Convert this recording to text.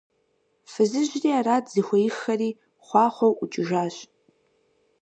Фызыжьри арат зыхуеиххэри, хъуахъуэу ӀукӀыжащ.